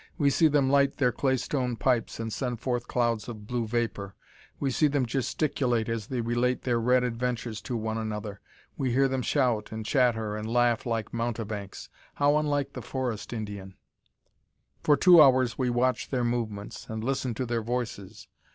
We see them light their claystone pipes, and send forth clouds of blue vapour. We see them gesticulate as they relate their red adventures to one another. We hear them shout, and chatter, and laugh like mountebanks. How unlike the forest Indian! For two hours we watch their movements, and listen to their voices.